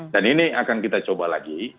dan ini akan kita coba lagi